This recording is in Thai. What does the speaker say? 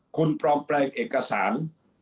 คุณปลอมแปลงเอกสาร